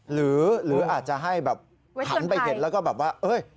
หรืออาจจะให้แบบหันไปเห็นแล้วก็แบบว่าเอ้ย